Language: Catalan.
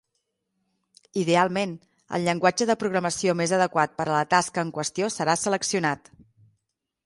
Idealment, el llenguatge de programació més adequat per a la tasca en qüestió serà seleccionat.